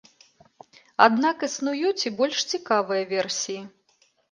Аднак існуюць і больш цікавыя версіі.